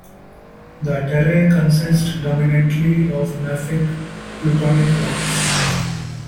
The terrae consist dominantly of mafic plutonic rocks.